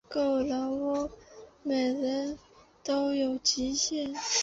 够了喔，每个人都有极限